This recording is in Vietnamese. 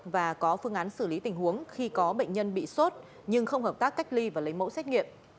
và có phương án xử lý tình huống khi có bệnh nhân bị sốt nhưng không hợp tác cách ly và lấy mẫu xét nghiệm